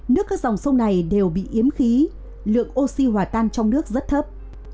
nước các dòng sông này đều bị yếm khí lượng oxy hòa tan trong nước rất thấp